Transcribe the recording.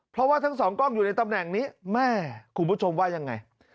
เพราะว่าทั้งสองกล้องอยู่ในตำแหน่งนี้แม่คุณผู้ชมว่ายังไง